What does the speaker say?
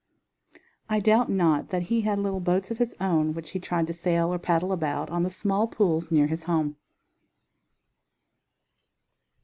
I doubt not that he had little boats of his own which he tried to sail, or paddle about on the small pools near his home.